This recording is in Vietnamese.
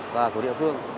và của địa phương